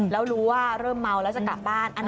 แล้วรู้ว่าเริ่มเมาแล้วจะกลับบ้าน